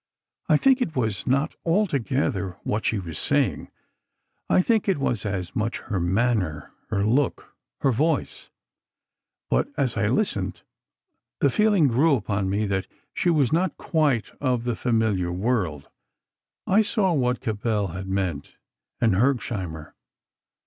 I think it was not altogether what she was saying; I think it was as much her manner, her look ... her voice; but as I listened, the feeling grew upon me that she was not quite of the familiar world ... I saw what Cabell had meant, and Hergesheimer.